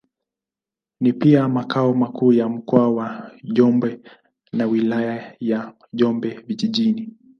Ni pia makao makuu ya Mkoa wa Njombe na Wilaya ya Njombe Vijijini.